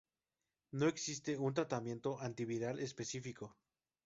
No existe un tratamiento antiviral específico.